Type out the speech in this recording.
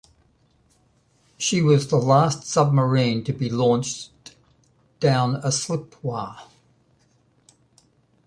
She was the last submarine to be launched down a slipwa.